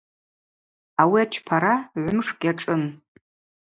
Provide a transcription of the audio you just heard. Ауи ачпара гӏвымшкӏ йашӏын.